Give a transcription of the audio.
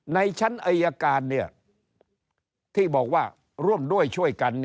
ในชั้นอายการที่บอกว่าร่วมด้วยช่วยกัน